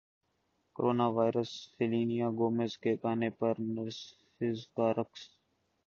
corona virus Selena Gomez کے گانے پر نرسز کا رقص